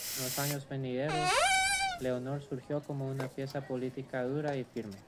En los años venideros, Leonor surgió como una pieza política dura y firme.